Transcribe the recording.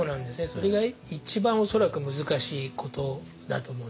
それが一番恐らく難しいことだと思うんですね。